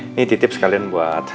ini titip sekalian buat